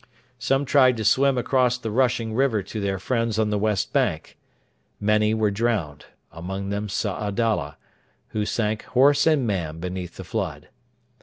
Some tried to swim across the rushing river to their friends on the west bank. Many were drowned among them Saadalla, who sank horse and man beneath the flood.